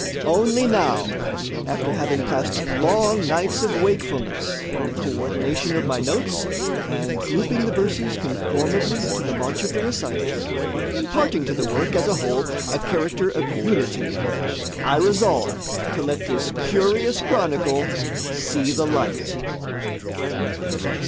Only now, after having passed long nights of wakefulness in the coordination of my notes and grouping the verses conformably to the march of the recital, imparting to the work, as a whole, a character of unity, I resolve to let this curious chronicle see the light.